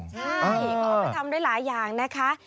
ใช่เขาเอาไปทำได้หลายอย่างนะคะ